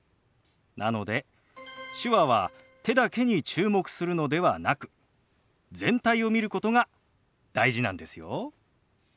なので手話は手だけに注目するのではなく全体を見ることが大事なんですよ。